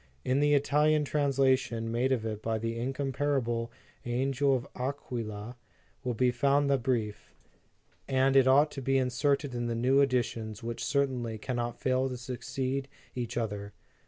In the Italian translation made of it by the incomparable Angel of Aquila, will be found the Brief, and 2O Preface to the Second Edition. it ought to be inserted in the new editions which certainly cannot fail to succeed each other.